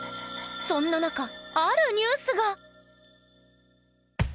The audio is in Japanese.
そんな中あるニュースが！